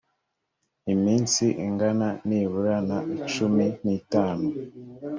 iminsi ingana nibura na cumi n itanu